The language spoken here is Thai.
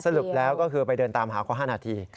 สรุปแล้วก็คือไปเดินตามหาเขา๕นาที